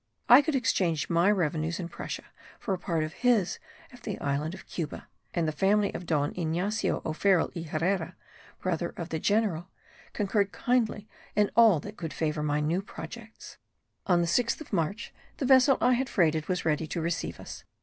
I could exchange my revenues in Prussia for a part of his at the island of Cuba; and the family of Don Ygnacio O'Farrill y Herera, brother of the general, concurred kindly in all that could favour my new projects. On the 6th of March the vessel I had freighted was ready to receive us.